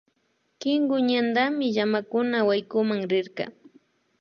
Kinku ñantami llamakuna waykunan rirka